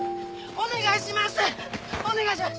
お願いします！